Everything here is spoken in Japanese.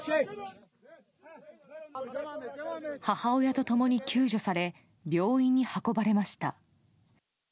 母親と共に救助され病院に運ばれました。